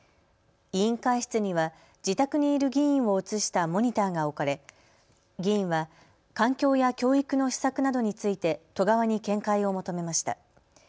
委員会室には自宅にいる議員を映したモニターが置かれ議員は環境や教育の施策などについて都側に見解を求めました。